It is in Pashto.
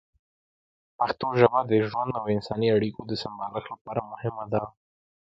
پښتو ژبه د ژوند او انساني اړیکو د سمبالښت لپاره مهمه ده.